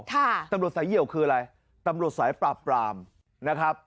ตำรวจสายเหี่ยวคืออะไรตำรวจสายปราบปรามนะครับ